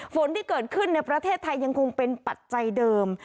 ฝนที่เกิดขึ้นในประเทศไทยยังคงเป็นปัจจัยเดิม